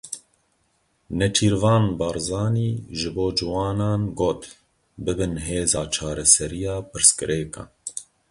Nêçîrvan Barzanî ji bo ciwanan got; bibin hêza çareseriya pirsgirêkan.